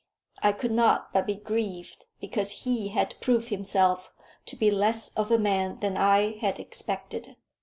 I could not but be grieved because he had proved himself to be less of a man than I had expected.